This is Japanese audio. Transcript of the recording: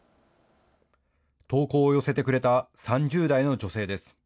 投稿を寄せてくれた３０代の女性です。